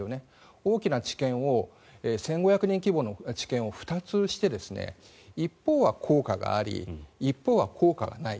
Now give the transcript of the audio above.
大きな治験を１５００人規模の治験を２つして一方は効果があり一方は効果がない。